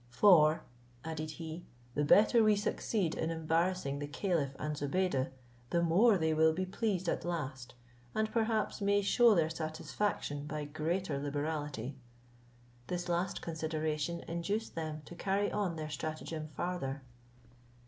"For," added he, "the better we succeed in embarrassing the caliph and Zobeide, the more they will be pleased at last, and perhaps may shew their satisfaction by greater liberality." This last consideration induced them to carry on their stratagem farther.